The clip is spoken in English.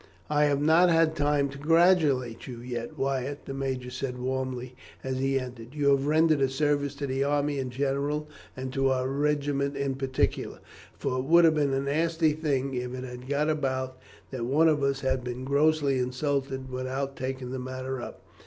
"I have not had time to congratulate you yet, Wyatt," the major said warmly, as he entered. "You have rendered a service to the army in general, and to our regiment in particular; for it would have been a nasty thing if it had got about that one of us had been grossly insulted without taking the matter up.